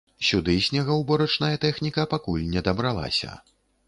Сюды снегаўборачная тэхніка пакуль не дабралася.